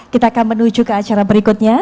kita akan menuju ke acara berikutnya